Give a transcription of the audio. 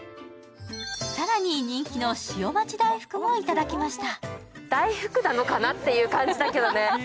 更に、人気の潮待ち大福もいただきました。